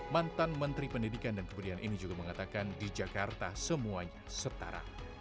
mantan menteri pendidikan dan kebudayaan ini juga mengatakan di jakarta semuanya setara